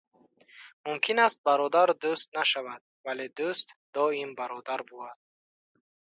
Мумкин аст бародар дӯст нашавад, Вале дӯст доим бародар бувад.